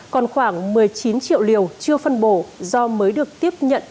còn khoảng một mươi chín triệu liều chưa phân bổ do mới được tiếp nhận